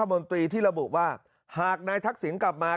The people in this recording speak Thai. ของนายยกธมนตรีที่ระบุว่าหากนายทักศิลป์กลับมา